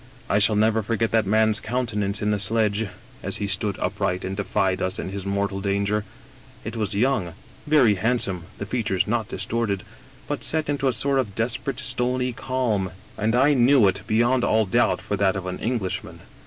I shall never forget that man's countenance in the sledge, as he stood upright and defied us in his mortal danger ; it was young, very handsome, the features not distorted, but set into a sort of desperate, stony calm, and I knew it, be yond all doubt, for that of an Englishman.